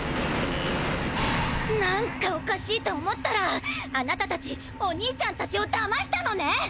何かおかしいと思ったらあなたたちお兄ちゃんたちをだましたのね！